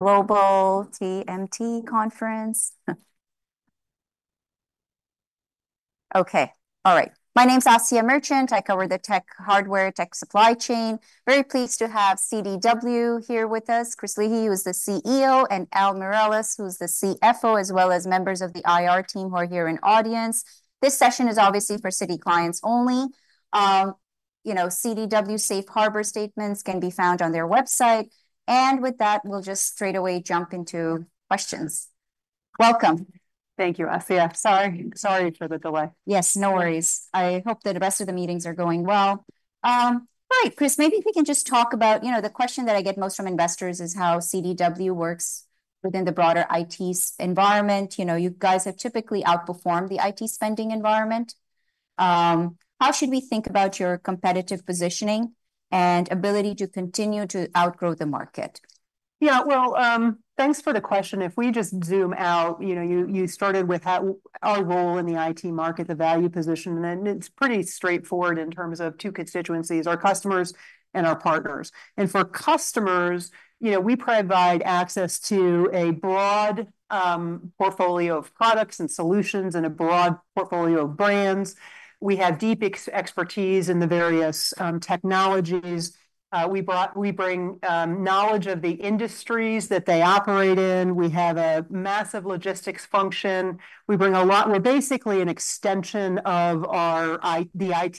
Global TMT Conference. Okay, all right. My name's Asiya Merchant. I cover the tech hardware, tech supply chain. Very pleased to have CDW here with us. Chris Leahy, who is the CEO, and Al Miralles, who's the CFO, as well as members of the IR team who are here in the audience. This session is obviously for Citi clients only. You know, CDW safe harbor statements can be found on their website, and with that, we'll just straightaway jump into questions. Welcome. Thank you, Asiya. Sorry, sorry fo Yes, no worries. I hope that the rest of the meetings are going well. All right, Chris, maybe if we can just talk about, you know, the question that I get most from investors is how CDW works within the broader IT environment. You know, you guys have typically outperformed the IT spending environment. How should we think about your competitive positioning and ability to continue to outgrow the market? Yeah, well, thanks for the question. If we just zoom out, you know, you started with how our role in the IT market, the value position, and it's pretty straightforward in terms of two constituencies: our customers and our partners. And for customers, you know, we provide access to a broad portfolio of products and solutions and a broad portfolio of brands. We have deep expertise in the various technologies. We bring knowledge of the industries that they operate in. We have a massive logistics function. We bring a lot... We're basically an extension of the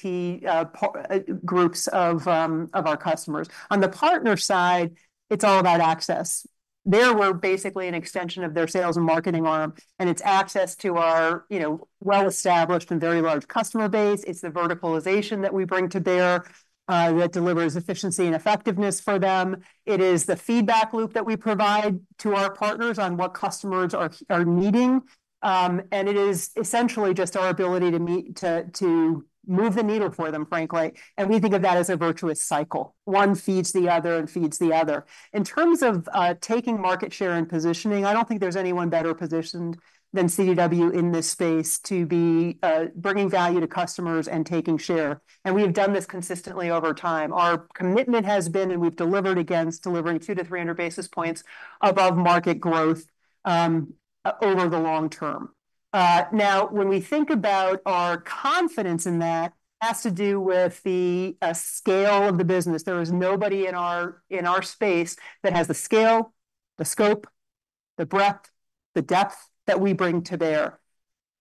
IT groups of our customers. On the partner side, it's all about access. There, we're basically an extension of their sales and marketing arm, and it's access to our, you know, well-established and very large customer base. It's the verticalization that we bring to bear that delivers efficiency and effectiveness for them. It is the feedback loop that we provide to our partners on what customers are needing and it is essentially just our ability to meet to move the needle for them, frankly, and we think of that as a virtuous cycle. One feeds the other and feeds the other. In terms of taking market share and positioning, I don't think there's anyone better positioned than CDW in this space to be bringing value to customers and taking share, and we have done this consistently over time. Our commitment has been, and we've delivered against, delivering 200-300 basis points above market growth over the long term. Now, when we think about our confidence in that, it has to do with the scale of the business. There is nobody in our space that has the scale, the scope, the breadth, the depth that we bring to bear.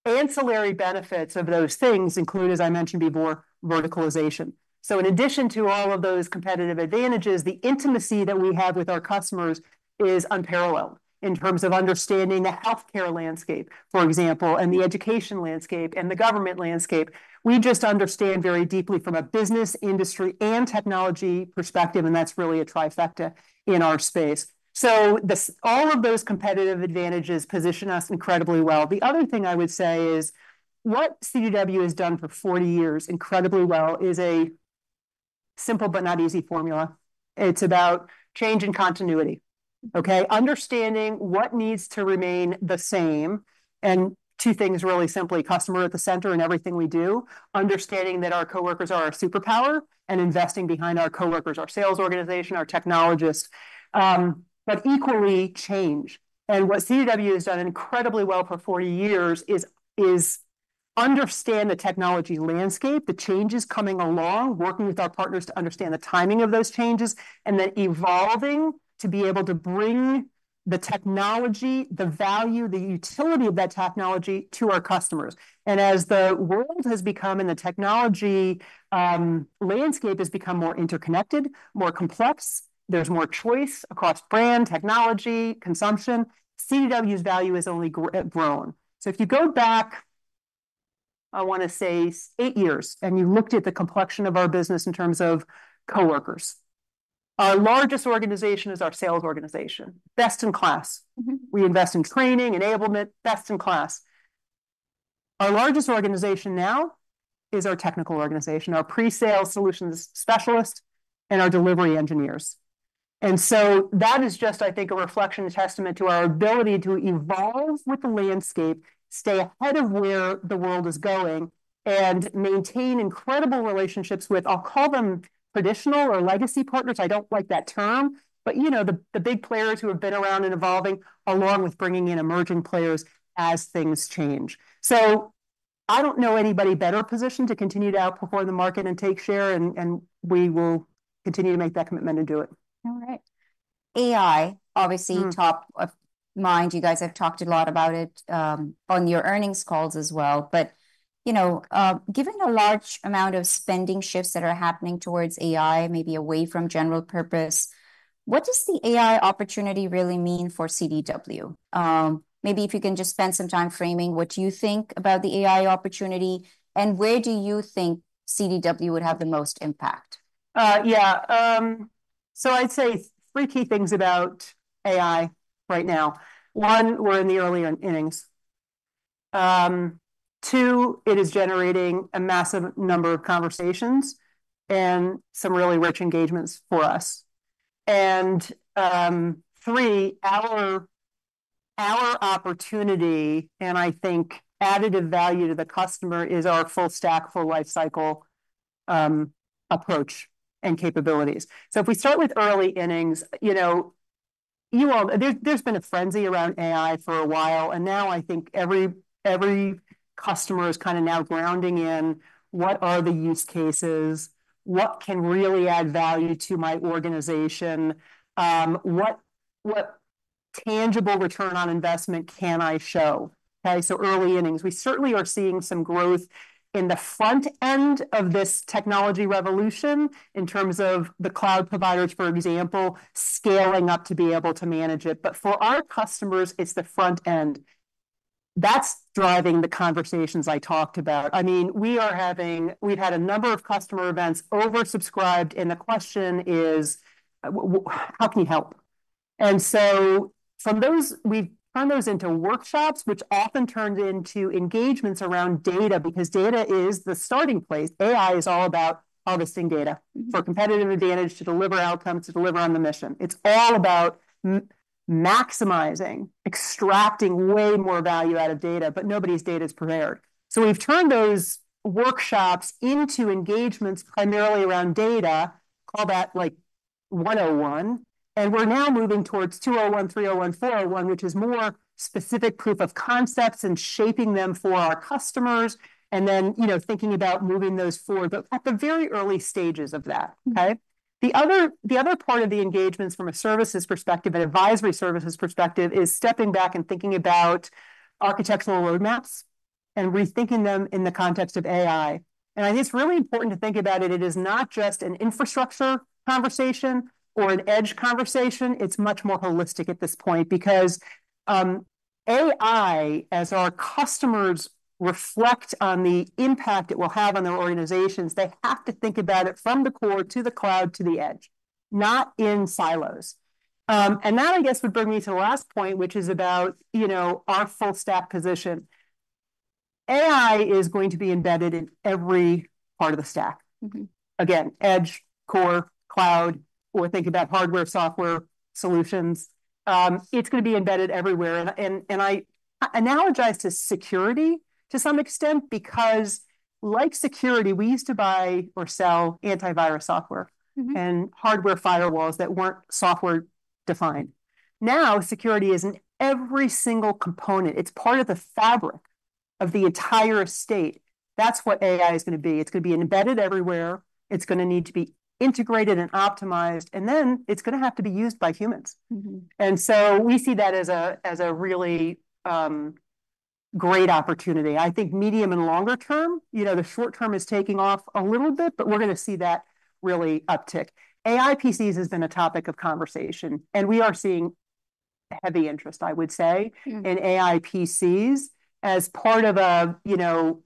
Ancillary benefits of those things include, as I mentioned before, verticalization. So in addition to all of those competitive advantages, the intimacy that we have with our customers is unparalleled in terms of understanding the healthcare landscape, for example, and the education landscape, and the government landscape. We just understand very deeply from a business, industry, and technology perspective, and that's really a trifecta in our space. So all of those competitive advantages position us incredibly well. The other thing I would say is, what CDW has done for forty years incredibly well is a simple, but not easy, formula. It's about change and continuity, okay? Understanding what needs to remain the same, and two things really simply: customer at the center in everything we do, understanding that our coworkers are our superpower, and investing behind our coworkers, our sales organization, our technologists. But equally, change. And what CDW has done incredibly well for forty years is understand the technology landscape, the changes coming along, working with our partners to understand the timing of those changes, and then evolving to be able to bring the technology, the value, the utility of that technology to our customers. And as the world has become, and the technology landscape has become more interconnected, more complex, there's more choice across brand, technology, consumption, CDW's value has only grown. So if you go back, I wanna say eight years, and you looked at the complexion of our business in terms of coworkers. Our largest organization is our sales organization, best-in-class. Mm-hmm. We invest in training, enablement, best-in-class. Our largest organization now is our technical organization, our pre-sales solutions specialists and our delivery engineers. And so that is just, I think, a reflection, a testament to our ability to evolve with the landscape, stay ahead of where the world is going, and maintain incredible relationships with, I'll call them traditional or legacy partners. I don't like that term, but, you know, the, the big players who have been around and evolving, along with bringing in emerging players as things change. So I don't know anybody better positioned to continue to outperform the market and take share, and, and we will continue to make that commitment and do it. All right. AI, obviously-top of mind. You guys have talked a lot about it, on your earnings calls as well. But, you know, given the large amount of spending shifts that are happening towards AI, maybe away from general purpose, what does the AI opportunity really mean for CDW? Maybe if you can just spend some time framing what you think about the AI opportunity, and where do you think CDW would have the most impact? Yeah. So I'd say three key things about AI right now. One, we're in the early innings. Two, it is generating a massive number of conversations and some really rich engagements for us. And three, our opportunity, and I think additive value to the customer, is our full stack, full life cycle, approach and capabilities. So if we start with early innings, you know, you all there, there's been a frenzy around AI for a while, and now I think every customer is kind of now grounding in what are the use cases, what can really add value to my organization, what tangible return on investment can I show? Okay, so early innings. We certainly are seeing some growth in the front end of this technology revolution in terms of the cloud providers, for example, scaling up to be able to manage it. But for our customers, it's the front end. That's driving the conversations I talked about. I mean, we've had a number of customer events oversubscribed, and the question is, "How can you help?" And so from those, we've turned those into workshops, which often turned into engagements around data, because data is the starting place. AI is all about harvesting data for competitive advantage, to deliver outcomes, to deliver on the mission. It's all about maximizing, extracting way more value out of data, but nobody's data is prepared. So we've turned those workshops into engagements primarily around data, call that, like, 101, and we're now moving towards 201, 301, 401, which is more specific proof of concepts and shaping them for our customers, and then, you know, thinking about moving those forward. But at the very early stages of that, okay? The other part of the engagements from a services perspective, an advisory services perspective, is stepping back and thinking about architectural roadmaps and rethinking them in the context of AI, and I think it's really important to think about it. It is not just an infrastructure conversation or an edge conversation. It's much more holistic at this point because AI, as our customers reflect on the impact it will have on their organizations, they have to think about it from the core to the cloud to the edge, not in silos. And that, I guess, would bring me to the last point, which is about, you know, our full stack position. AI is going to be embedded in every part of the stack. Again, edge, core, cloud, or think about hardware, software, solutions. It's gonna be embedded everywhere, and I analogize to security to some extent, because like security, we used to buy or sell antivirus software and hardware firewalls that weren't software-defined. Now, security is in every single component. It's part of the fabric of the entire estate. That's what AI is gonna be. It's gonna be embedded everywhere, it's gonna need to be integrated and optimized, and then it's gonna have to be used by humans. And so we see that as a really great opportunity. I think medium and longer term, you know, the short term is taking off a little bit, but we're gonna see that really uptick. AI PCs has been a topic of conversation, and we are seeing heavy interest, I would say in AI PCs as part of a, you know,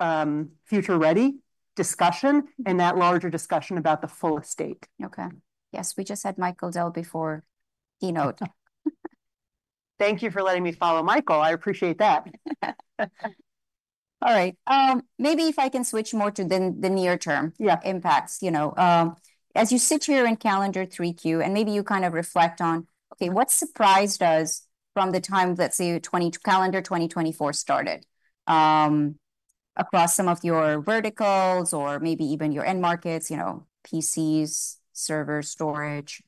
future-ready discussion and that larger discussion about the full stack. Okay. Yes, we just had Michael Dell before keynote. Thank you for letting me follow Michael. I appreciate that. All right, maybe if I can switch more to the near-term- Yeah... impacts, you know. As you sit here in calendar 3Q, and maybe you kind of reflect on, okay, what surprised us from the time, let's say, calendar 2024 started, across some of your verticals or maybe even your end markets, you know, PCs, server, storage,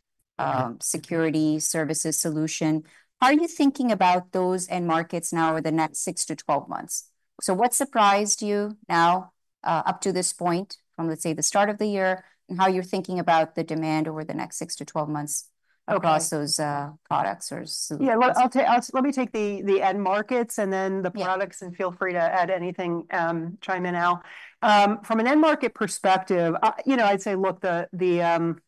security, services solution. How are you thinking about those end markets now over the next six to twelve months? So what surprised you now, up to this point from, let's say, the start of the year, and how you're thinking about the demand over the next six to twelve months? Okay... across those, products or solutions? Yeah, well, let me take the end markets, and then the products- Yeah... and feel free to add anything, chime in, Al. From an end-market perspective, you know, I'd say, look, the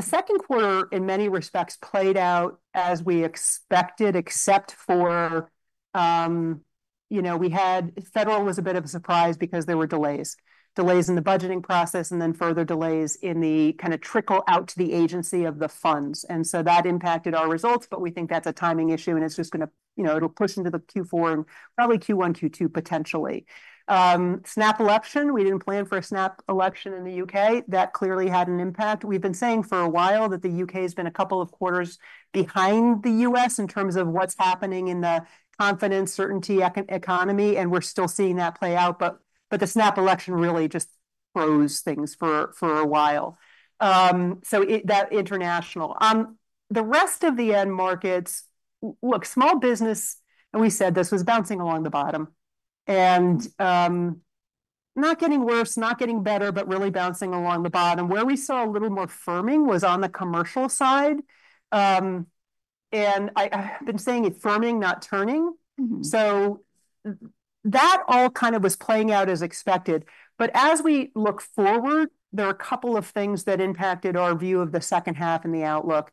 second quarter, in many respects, played out as we expected, except for, you know, we had federal was a bit of a surprise because there were delays. Delays in the budgeting process, and then further delays in the kind of trickle out to the agency of the funds, and so that impacted our results, but we think that's a timing issue, and it's just gonna, you know, it'll push into the Q4 and probably Q1, Q2, potentially. Snap election, we didn't plan for a snap election in the U.K. That clearly had an impact. We've been saying for a while that the U.K. has been a couple of quarters behind the U.S. in terms of what's happening in the confidence, certainty economy, and we're still seeing that play out, but the snap election really just froze things for a while. So that international. The rest of the end markets, look, small business, and we said this, was bouncing along the bottom, and not getting worse, not getting better, but really bouncing along the bottom. Where we saw a little more firming was on the commercial side. And I've been saying it, firming, not turning. So that all kind of was playing out as expected. But as we look forward, there are a couple of things that impacted our view of the second half and the outlook.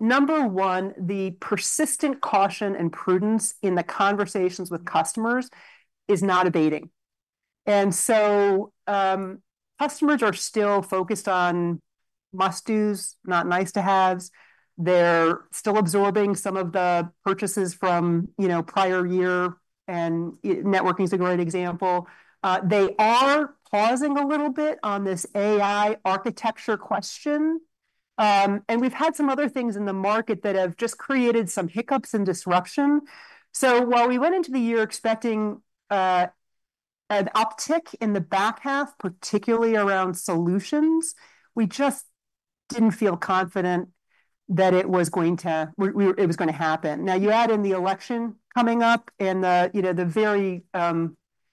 Number one, the persistent caution and prudence in the conversations with customers is not abating, and so, customers are still focused on must-dos, not nice-to-haves. They're still absorbing some of the purchases from, you know, prior year, and networking is a great example. They are pausing a little bit on this AI architecture question, and we've had some other things in the market that have just created some hiccups and disruption. So while we went into the year expecting an uptick in the back half, particularly around solutions, we just didn't feel confident that it was going to happen. Now, you add in the election coming up, and the, you know, the very,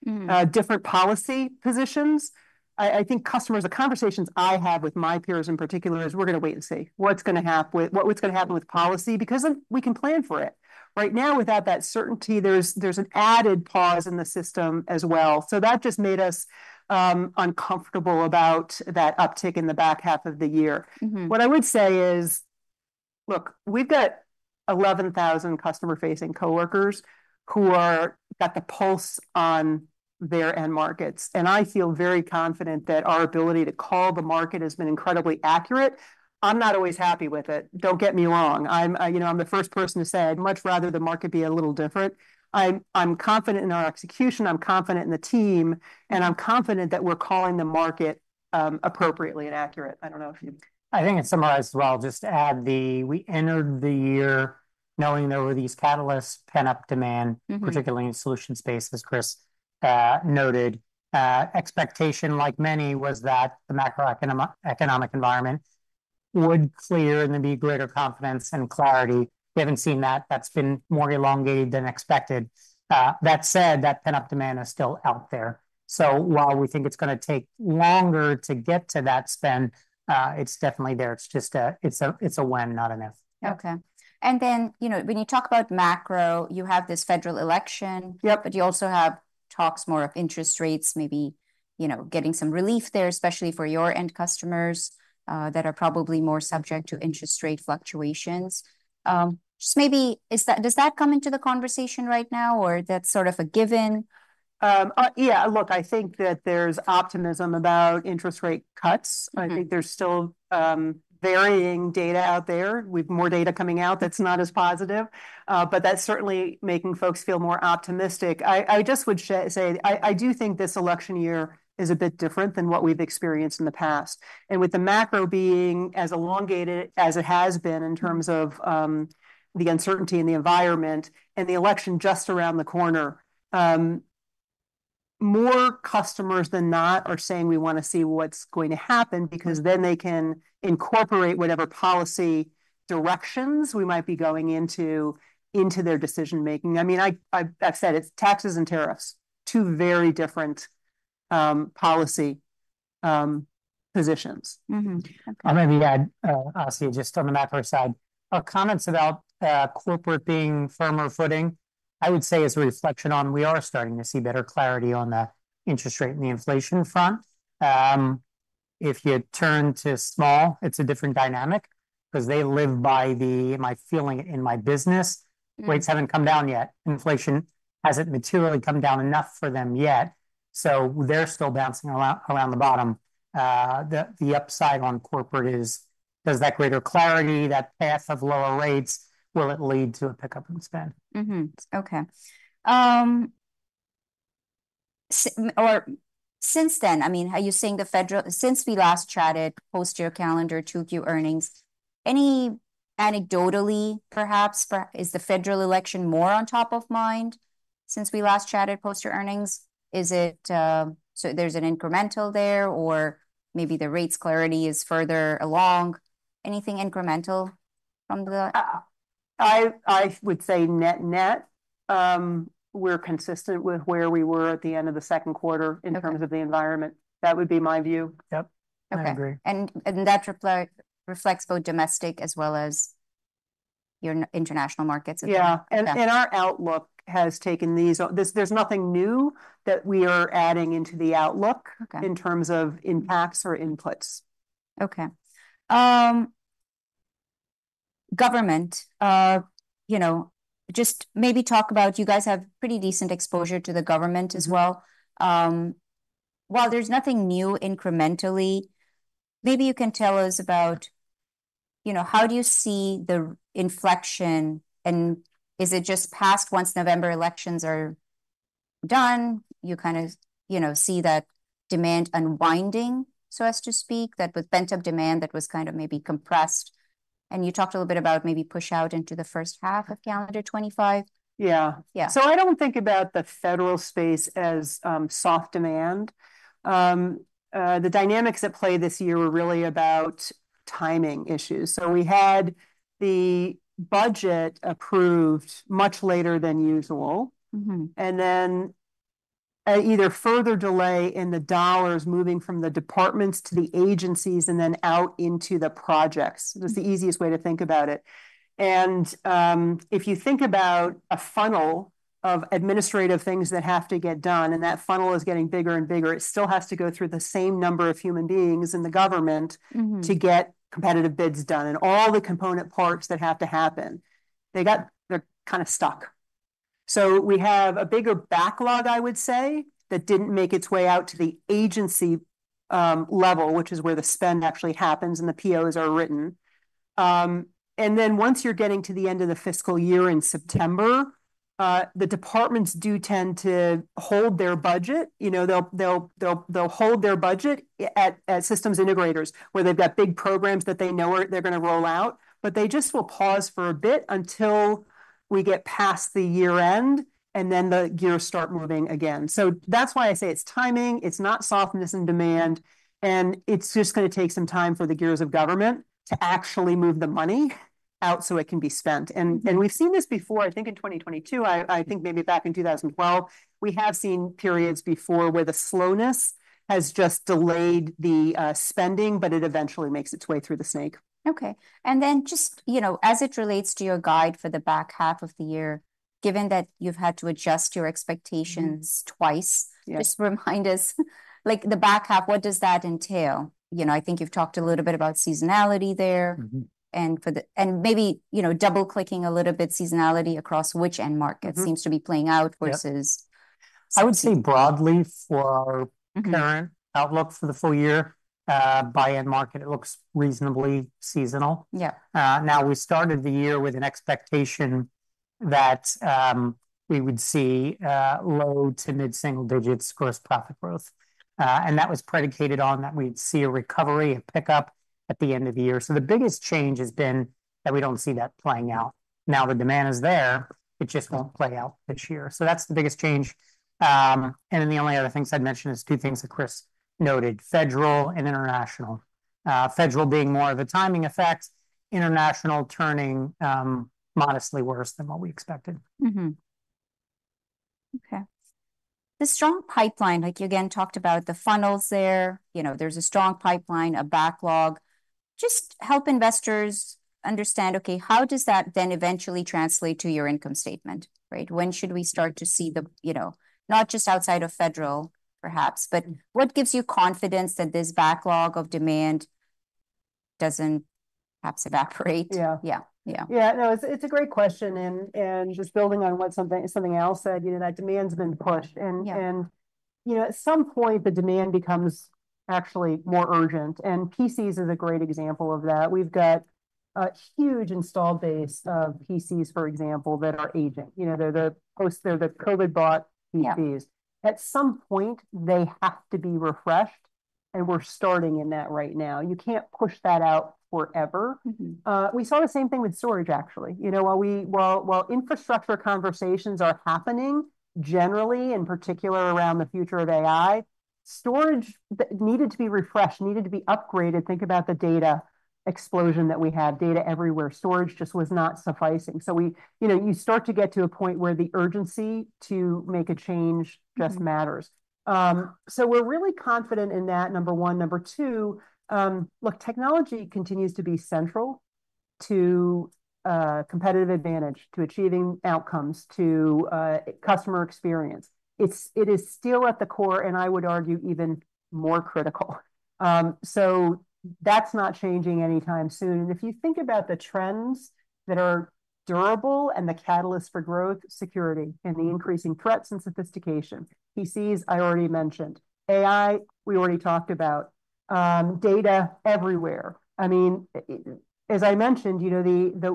Mm... different policy positions, I think customers, the conversations I have with my peers in particular is we're gonna wait and see what's gonna happen with policy, because then we can plan for it. Right now, without that certainty, there's an added pause in the system as well, so that just made us uncomfortable about that uptick in the back half of the year. Mm-hmm. What I would say is, look, we've got 11,000 customer-facing coworkers who got the pulse on their end markets, and I feel very confident that our ability to call the market has been incredibly accurate. I'm not always happy with it. Don't get me wrong. You know, I'm the first person to say I'd much rather the market be a little different. I'm confident in our execution, I'm confident in the team, and I'm confident that we're calling the market appropriately and accurate. I don't know if you- I think it summarized well. Just to add, we entered the year knowing there were these catalysts, pent-up demand. Mm-hmm... particularly in the solution space, as Chris noted. Expectation, like many, was that the macroeconomic, economic environment would clear and there'd be greater confidence and clarity. We haven't seen that. That's been more elongated than expected. That said, that pent-up demand is still out there, so while we think it's gonna take longer to get to that spend, it's definitely there. It's just a when, not an if. Okay. And then, you know, when you talk about macro, you have this federal election- Yep... but you also have talks more of interest rates maybe, you know, getting some relief there, especially for your end customers that are probably more subject to interest rate fluctuations. Just maybe, does that come into the conversation right now, or that's sort of a given? Yeah, look, I think that there's optimism about interest rate cuts. Mm. I think there's still varying data out there, with more data coming out that's not as positive, but that's certainly making folks feel more optimistic. I just would say, I do think this election year is a bit different than what we've experienced in the past, and with the macro being as elongated as it has been in terms of the uncertainty in the environment and the election just around the corner, more customers than not are saying, "We wanna see what's going to happen," because then they can incorporate whatever policy directions we might be going into, into their decision-making. I mean, I've said, it's taxes and tariffs, two very different policy positions. Mm-hmm. Okay. I'll maybe add, obviously just on the macro side, our comments about, corporate being firmer footing, I would say is a reflection on we are starting to see better clarity on the interest rate and the inflation front. If you turn to small, it's a different dynamic, 'cause they live by the, "Am I feeling it in my business? Mm. Rates haven't come down yet. Inflation hasn't materially come down enough for them yet, so they're still bouncing around the bottom. The upside on corporate is, there's that greater clarity, that path of lower rates, will it lead to a pickup in spend? Mm-hmm. Okay. Or since then, I mean, are you saying since we last chatted post your calendar 2Q earnings, any anecdotally, perhaps, is the federal election more on top of mind since we last chatted post your earnings? Is it? So there's an incremental there, or maybe the rates clarity is further along. Anything incremental from the- I would say net-net, we're consistent with where we were at the end of the second quarter- Okay... in terms of the environment. That would be my view. Yep, I agree. Okay, and that reflects both domestic as well as your international markets as well? Yeah. Okay. Our outlook has taken these. There's nothing new that we are adding into the outlook. Okay... in terms of impacts or inputs. Okay. Government, you know, just maybe talk about, you guys have pretty decent exposure to the government as well. While there's nothing new incrementally, maybe you can tell us about, you know, how do you see the inflection, and is it just past once November elections are done, you kind of, you know, see that demand unwinding, so as to speak, that with pent-up demand that was kind of maybe compressed, and you talked a little bit about maybe push out into the first half of calendar 2025? Yeah. Yeah. So I don't think about the federal space as soft demand. The dynamics at play this year were really about timing issues. So we had the budget approved much later than usual- Mm-hmm... and then, either further delay in the dollars moving from the departments to the agencies and then out into the projects. Mm. That's the easiest way to think about it. And, if you think about a funnel of administrative things that have to get done, and that funnel is getting bigger and bigger, it still has to go through the same number of human beings in the government- Mm-hmm... to get competitive bids done, and all the component parts that have to happen. They're kind of stuck. So we have a bigger backlog, I would say, that didn't make its way out to the agency level, which is where the spend actually happens and the POs are written. And then once you're getting to the end of the fiscal year in September, the departments do tend to hold their budget. You know, they'll hold their budget at systems integrators, where they've got big programs that they know they're gonna roll out, but they just will pause for a bit until we get past the year end, and then the gears start moving again. So that's why I say it's timing, it's not softness in demand, and it's just gonna take some time for the gears of government to actually move the money out so it can be spent. And we've seen this before, I think in 2022, I think maybe back in 2012. We have seen periods before where the slowness has just delayed the spending, but it eventually makes its way through the snake. Okay, and then just, you know, as it relates to your guide for the back half of the year, given that you've had to adjust your expectations twice. Yeah... just remind us like the back half, what does that entail? You know, I think you've talked a little bit about seasonality there- Mm-hmm... and maybe, you know, double-clicking a little bit seasonality across which end market. Mm-hmm... seems to be playing out versus- Yep. I would say broadly for our- Mm-hmm... current outlook for the full year, by end market, it looks reasonably seasonal. Yeah. Now we started the year with an expectation that we would see low to mid-single digits gross profit growth. And that was predicated on that we'd see a recovery, a pickup at the end of the year. So the biggest change has been that we don't see that playing out. Now, the demand is there, it just won't play out this year, so that's the biggest change. And then the only other things I'd mention is two things that Chris noted, federal and international. Federal being more of a timing effect, international turning modestly worse than what we expected. Okay. The strong pipeline, like you again talked about, the funnels there, you know, there's a strong pipeline, a backlog. Just help investors understand, okay, how does that then eventually translate to your income statement, right? When should we start to see the, you know, not just outside of federal perhaps, but what gives you confidence that this backlog of demand doesn't perhaps evaporate? Yeah. Yeah, yeah. Yeah, no, it's a great question, and just building on what Al said, you know, that demand's been pushed. Yeah. You know, at some point the demand becomes actually more urgent, and PCs is a great example of that. We've got a huge installed base of PCs, for example, that are aging. You know, they're the COVID-bought PCs. Yeah. At some point, they have to be refreshed, and we're starting in that right now. You can't push that out forever. Mm-hmm. We saw the same thing with storage, actually. You know, while infrastructure conversations are happening, generally, in particular around the future of AI, storage needed to be refreshed, needed to be upgraded. Think about the data explosion that we had, data everywhere. Storage just was not sufficing. So we... You know, you start to get to a point where the urgency to make a change just matters. Mm-hmm. So we're really confident in that, number one. Number two, look, technology continues to be central to competitive advantage, to achieving outcomes, to customer experience. It is still at the core, and I would argue even more critical. So that's not changing anytime soon, and if you think about the trends that are durable and the catalyst for growth, security, and the increasing threats and sophistication. PCs, I already mentioned. AI, we already talked about. Data everywhere, I mean, as I mentioned, you know,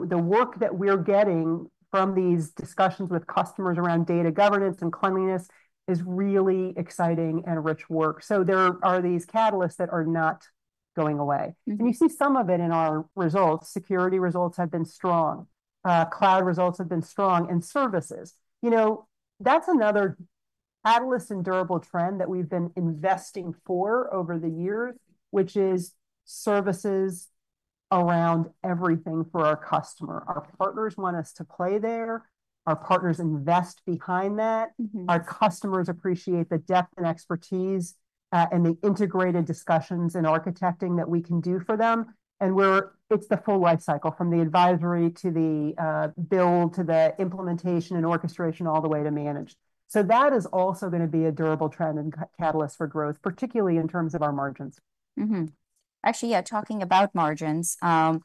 the work that we're getting from these discussions with customers around data governance and cleanliness is really exciting and rich work. So there are these catalysts that are not going away. And you see some of it in our results. Security results have been strong. Cloud results have been strong, and services. You know, that's another catalyst and durable trend that we've been investing for over the years, which is services around everything for our customer. Our partners want us to play there. Our partners invest behind that. Our customers appreciate the depth and expertise, and the integrated discussions and architecting that we can do for them, and it's the full life cycle, from the advisory to the build, to the implementation and orchestration, all the way to manage. So that is also gonna be a durable trend and catalyst for growth, particularly in terms of our margins. Mm-hmm. Actually, yeah, talking about margins, I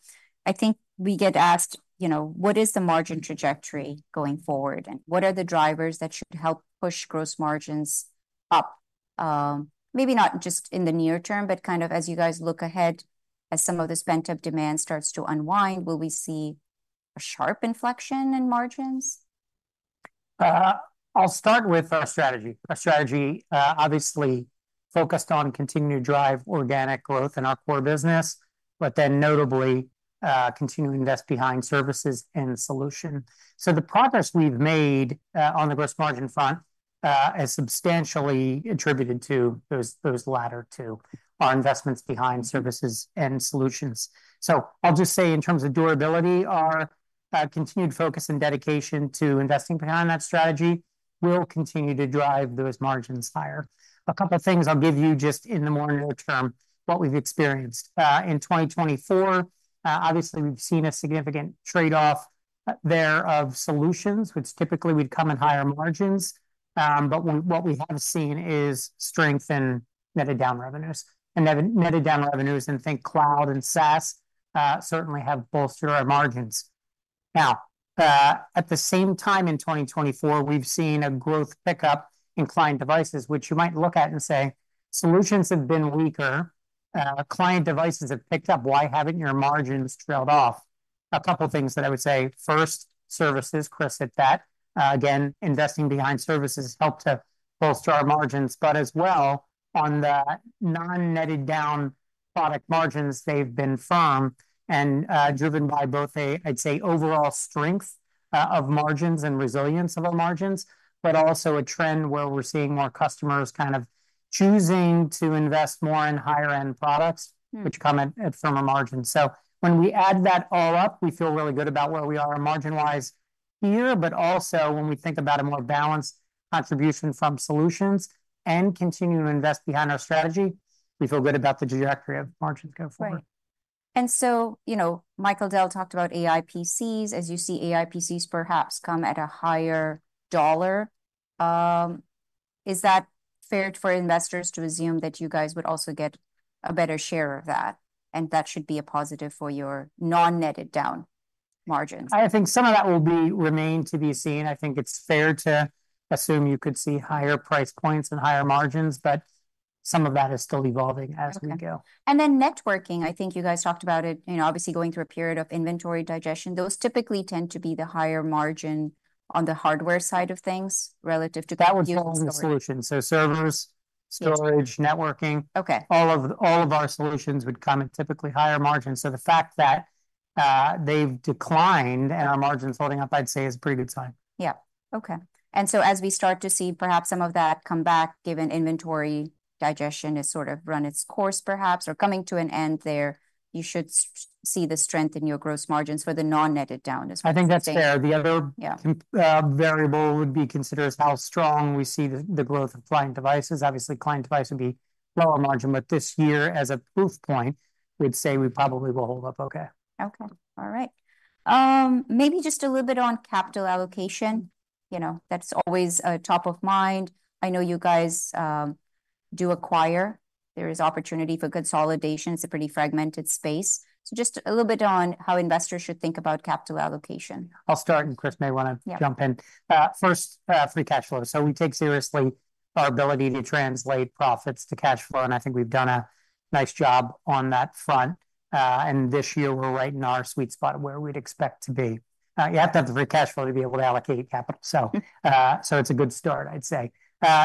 think we get asked, you know, what is the margin trajectory going forward, and what are the drivers that should help push gross margins up? Maybe not just in the near term, but kind of as you guys look ahead, as some of the pent-up demand starts to unwind, will we see a sharp inflection in margins? I'll start with our strategy. Our strategy obviously focused on continuing to drive organic growth in our core business, but then notably continue to invest behind services and solutions. So the progress we've made on the gross margin front has substantially attributed to those latter two, our investments behind services and solutions. So I'll just say in terms of durability, our continued focus and dedication to investing behind that strategy will continue to drive those margins higher. A couple things I'll give you just in the more near term, what we've experienced. In 2024, obviously we've seen a significant trade-off there of solutions, which typically would come at higher margins. But what we have seen is strength in netted-down revenues, and netted-down revenues in the cloud and SaaS certainly have bolstered our margins. Now, at the same time, in 2024, we've seen a growth pickup in client devices, which you might look at and say, "Solutions have been weaker, client devices have picked up. Why haven't your margins trailed off?" A couple things that I would say. First, services, Chris hit that. Again, investing behind services helped to bolster our margins, but as well, on the non-netted down product margins, they've been firm and, driven by both a, I'd say, overall strength, of margins and resilience of our margins, but also a trend where we're seeing more customers kind of choosing to invest more in higher-end products- -which come at firmer margins. So when we add that all up, we feel really good about where we are margin-wise here, but also when we think about a more balanced contribution from solutions and continue to invest behind our strategy, we feel good about the trajectory of margins going forward. Right. And so, you know, Michael Dell talked about AI PCs. As you see AI PCs perhaps come at a higher dollar, is that fair for investors to assume that you guys would also get a better share of that, and that should be a positive for your non-netted down margins? I think some of that will remain to be seen. I think it's fair to assume you could see higher price points and higher margins, but some of that is still evolving as we go. Okay. And then networking, I think you guys talked about it, you know, obviously going through a period of inventory digestion. Those typically tend to be the higher margin on the hardware side of things relative to- That would fall in solutions. Computer. So servers- Yes... storage, networking- Okay. All of, all of our solutions would come at typically higher margins, so the fact that they've declined and our margins holding up, I'd say, is a pretty good sign. Yeah. Okay. And so as we start to see perhaps some of that come back, given inventory digestion has sort of run its course perhaps or coming to an end there, you should see the strength in your gross margins for the non-netted down, as well. I think that's fair. Yeah. The other variable would be consider is how strong we see the growth of client devices. Obviously, client device would be lower margin, but this year, as a proof point, we'd say we probably will hold up okay. Okay. All right. Maybe just a little bit on capital allocation. You know, that's always top of mind. I know you guys do acquire. There is opportunity for consolidation. It's a pretty fragmented space. So just a little bit on how investors should think about capital allocation. I'll start, and Chris may wanna- Yeah... jump in. First, free cash flow. So we take seriously our ability to translate profits to cash flow, and I think we've done a nice job on that front. And this year we're right in our sweet spot where we'd expect to be. You have to have the free cash flow to be able to allocate capital, so it's a good start, I'd say.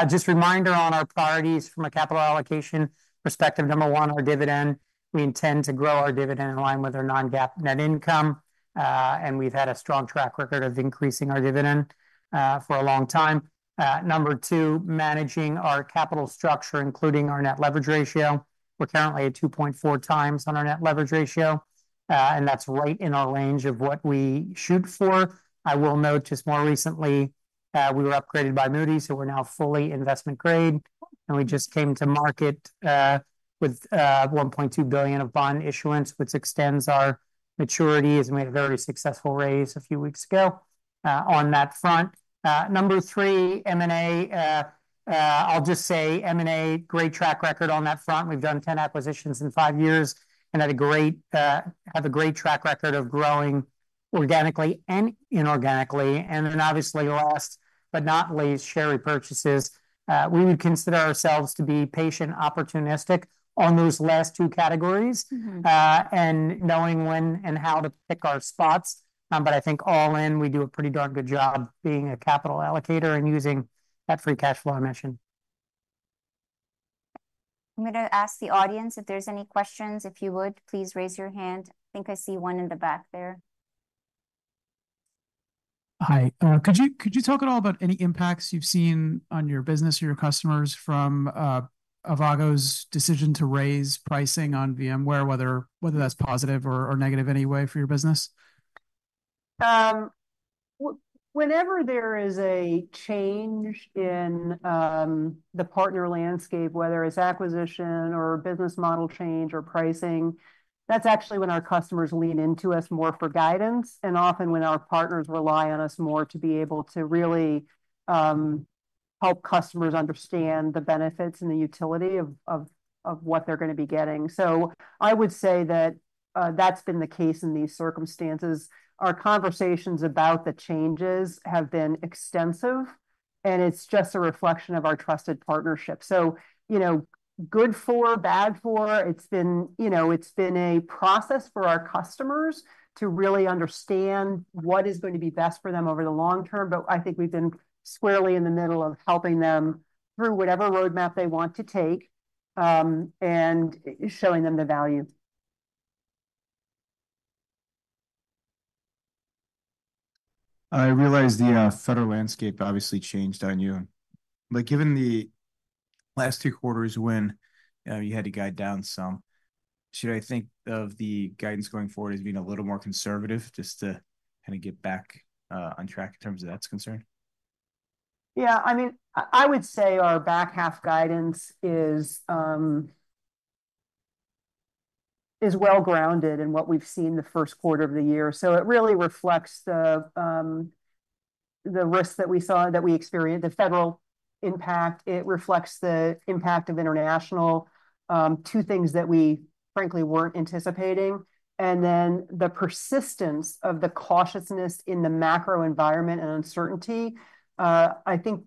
Just a reminder on our priorities from a capital allocation perspective. Number one, our dividend. We intend to grow our dividend in line with our non-GAAP net income, and we've had a strong track record of increasing our dividend for a long time. Number two, managing our capital structure, including our net leverage ratio. We're currently at 2.4x on our net leverage ratio, and that's right in our range of what we shoot for. I will note, just more recently, we were upgraded by Moody's, so we're now fully investment grade, and we just came to market with $1.2 billion of bond issuance, which extends our maturity, as we had a very successful raise a few weeks ago on that front. Number three, M&A. I'll just say M&A, great track record on that front. We've done 10 acquisitions in five years and have a great track record of growing organically and inorganically. And then obviously last but not least, share repurchases. We would consider ourselves to be patient, opportunistic on those last two categories and knowing when and how to pick our spots. But I think all in, we do a pretty darn good job being a capital allocator and using that free cash flow I mentioned. I'm gonna ask the audience if there's any questions. If you would, please raise your hand. I think I see one in the back there. Hi. Could you talk at all about any impacts you've seen on your business or your customers from Avago's decision to raise pricing on VMware, whether that's positive or negative in any way for your business? Whenever there is a change in the partner landscape, whether it's acquisition or a business model change or pricing, that's actually when our customers lean into us more for guidance, and often when our partners rely on us more to be able to really help customers understand the benefits and the utility of what they're gonna be getting. So I would say that that's been the case in these circumstances. Our conversations about the changes have been extensive, and it's just a reflection of our trusted partnership. You know, good for, bad for, it's been, you know, it's been a process for our customers to really understand what is going to be best for them over the long term, but I think we've been squarely in the middle of helping them through whatever roadmap they want to take, and showing them the value. I realize the federal landscape obviously changed on you, but given the last two quarters when you had to guide down some, should I think of the guidance going forward as being a little more conservative just to kind of get back on track in terms of that's concerned? Yeah, I mean, I would say our back half guidance is well-grounded in what we've seen the first quarter of the year. So it really reflects the risks that we saw, that we experienced, the federal impact, it reflects the impact of international, two things that we frankly weren't anticipating, and then the persistence of the cautiousness in the macro environment and uncertainty. I think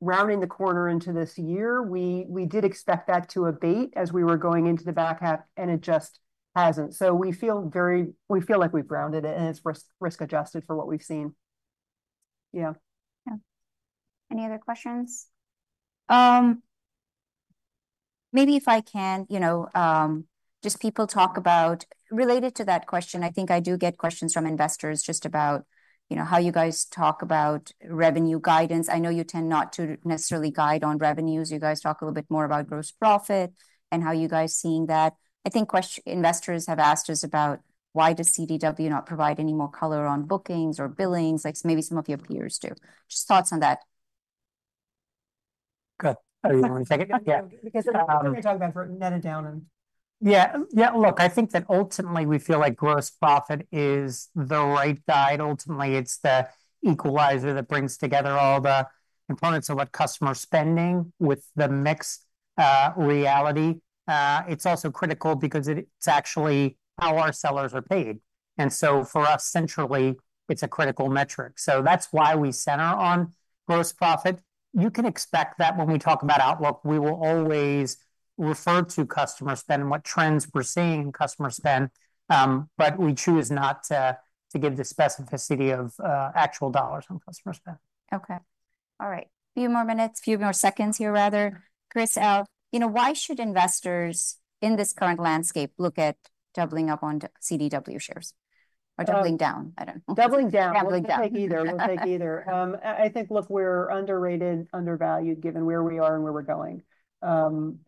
rounding the corner into this year, we did expect that to abate as we were going into the back half, and it just hasn't. So we feel like we've rounded it, and it's risk, risk-adjusted for what we've seen. Yeah. Yeah. Any other questions? Maybe if I can, you know, just people talk about related to that question, I think I do get questions from investors just about, you know, how you guys talk about revenue guidance. I know you tend not to necessarily guide on revenues. You guys talk a little bit more about gross profit and how you guys are seeing that. I think investors have asked us about why does CDW not provide any more color on bookings or billings, like maybe some of your peers do? Just thoughts on that. Go ahead. Oh, you wanna take it? Yeah. Because we're gonna talk about net and down. Yeah. Yeah, look, I think that ultimately we feel like gross profit is the right guide. Ultimately, it's the equalizer that brings together all the components of what customer spending with the mixed reality. It's also critical because it's actually how our sellers are paid, and so for us, centrally, it's a critical metric. So that's why we center on gross profit. You can expect that when we talk about outlook, we will always refer to customer spend and what trends we're seeing in customer spend, but we choose not to give the specificity of actual dollars on customer spend. Okay. All right. Few more minutes, few more seconds here, rather. Chris, Al, you know, why should investors in this current landscape look at doubling up on CDW shares? Or doubling down, I don't know. Doubling down. Doubling down. We'll take either. We'll take either. I think, look, we're underrated, undervalued, given where we are and where we're going.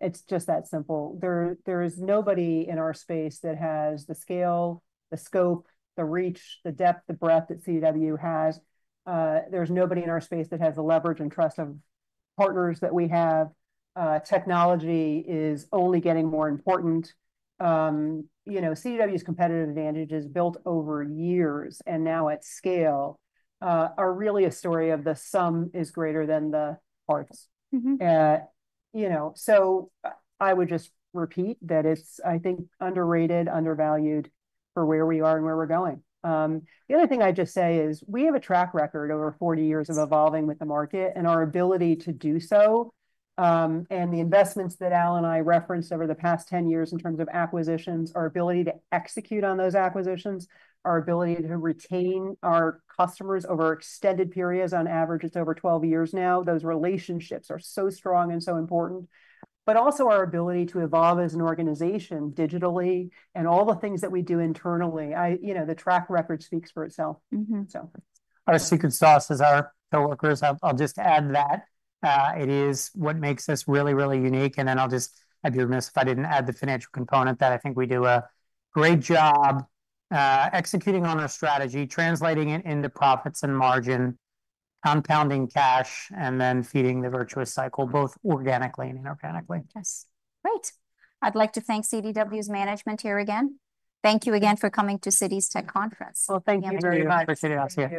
It's just that simple. There is nobody in our space that has the scale, the scope, the reach, the depth, the breadth that CDW has. There's nobody in our space that has the leverage and trust of partners that we have. Technology is only getting more important. You know, CDW's competitive advantage is built over years, and now at scale, are really a story of the sum is greater than the parts.. You know, so I would just repeat that it's, I think, underrated, undervalued for where we are and where we're going. The other thing I'd just say is we have a track record over forty years of evolving with the market, and our ability to do so, and the investments that Al and I referenced over the past ten years in terms of acquisitions, our ability to execute on those acquisitions, our ability to retain our customers over extended periods, on average, it's over twelve years now. Those relationships are so strong and so important, but also our ability to evolve as an organization digitally and all the things that we do internally. You know, the track record speaks for itself. Mm-hmm. So. Our secret sauce is our coworkers. I'll just add that. It is what makes us really, really unique, and then I'll just, I'd be remiss if I didn't add the financial component, that I think we do a great job executing on our strategy, translating it into profits and margin, compounding cash, and then feeding the virtuous cycle, both organically and inorganically. Yes. Great. I'd like to thank CDW's management here again. Thank you again for coming to Citi's Tech Conference. Thank you very much. Appreciate it. Thanks for having us here.